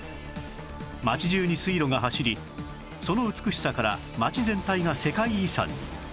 街中に水路が走りその美しさから街全体が世界遺産に